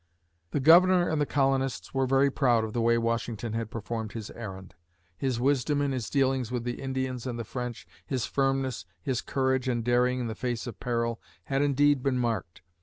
The Governor and the colonists were very proud of the way Washington had performed his errand. His wisdom in his dealings with the Indians and the French, his firmness, his courage and daring in the face of peril, had indeed been marked.